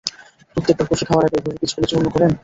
প্রত্যেকবার কফি খাওয়ার আগে এভাবে বীজগুলো চূর্ণ করেন?